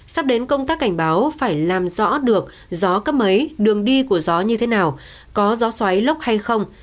sắp đến công tác cảnh báo phải làm rõ được gió cấp ấy đường đi của gió như thế nào có gió xoáy lốc hay không